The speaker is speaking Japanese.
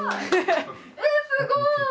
えっすごーい！